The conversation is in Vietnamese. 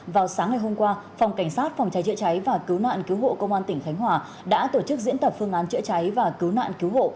vào sáng ngày hôm qua phòng cảnh sát phòng cháy chữa cháy và cứu nạn cứu hộ công an tỉnh khánh hòa đã tổ chức diễn tập phương án chữa cháy và cứu nạn cứu hộ